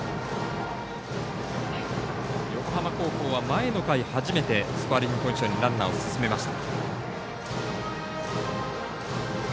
横浜高校は前の回、初めてスコアリングポジションにランナーを進めました。